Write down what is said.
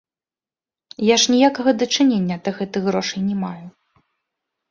Я ж ніякага дачынення да гэтых грошай не маю.